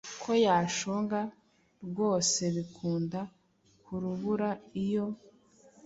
Ko yashonga rwosebikunda kurubura iyo